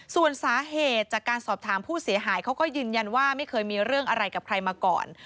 ส่วนสาเหตุจากการสอบถามผู้เสียหายเขาก็ยืนยันว่าไม่เคยมีเรื่องอะไรกับใครมาก่อน